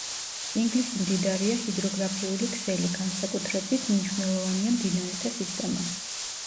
ინგლისი მდიდარია ჰიდროგრაფიული ქსელი, განსაკუთრებით მნიშვნელოვანია მდინარეთა სისტემა.